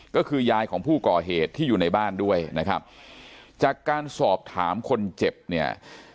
ก็คือยายของผู้ก่อเหตุที่อยู่ในบ้านด้วยนะครับจากการสอบถามคนเจ็บเนี่ย